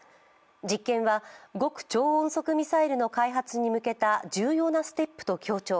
実験は極超音速ミサイルの開発に向けた重要なステップと強調。